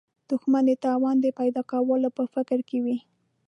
دښمن د تاوان د پیدا کولو په فکر کې وي